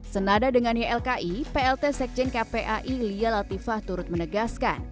senada dengan ylki plt sekjen kpai lia latifah turut menegaskan